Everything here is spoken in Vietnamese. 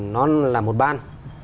nó là một ban